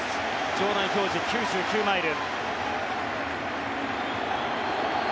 場内表示９９マイル。